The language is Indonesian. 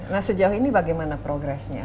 nah sejauh ini bagaimana progresnya